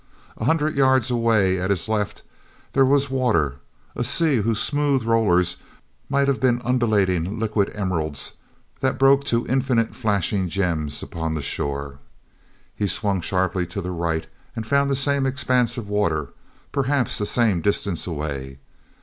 A hundred yards away, at his left, there was water, a sea whose smooth rollers might have been undulating liquid emeralds that broke to infinite flashing gems upon the shore. He swung sharply to the right and found the same expanse of water, perhaps the same distance away.